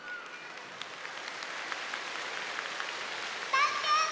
たんけん！